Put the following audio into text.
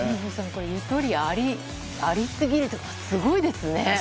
これ、ゆとりありすぎるというかすごいですね。